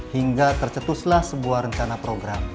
hingga tercetuslah sebuah rencana program